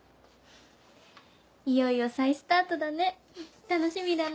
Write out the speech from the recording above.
いよいよ再スタートだね楽しみだな！